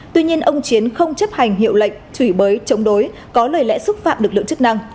tuy nhiên ông chiến không chấp hành hiệu lệnh chửi bới chống đối có lời lẽ xúc phạm lực lượng chức năng